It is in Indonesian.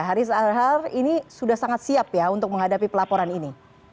haris arhal ini sudah sangat siap ya untuk menghadapi pelaporan ini